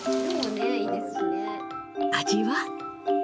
味は？